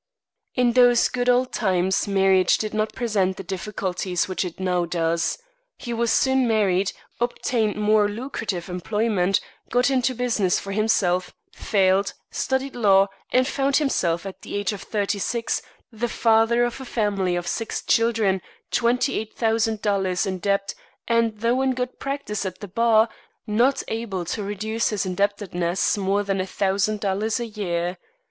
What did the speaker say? In those good old times marriage did not present the difficulties which it now does. He was soon married, obtained more lucrative employment, got into business for himself, failed, studied law, and found himself, at the age of thirty six, the father of a family of six children, twenty eight thousand dollars in debt, and, though in good practice at the bar, not able to reduce his indebtedness more than a thousand dollars a year.